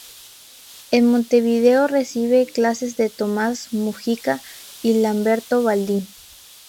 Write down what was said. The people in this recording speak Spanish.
En Montevideo recibe clases de Tomás Múgica y Lamberto Baldi.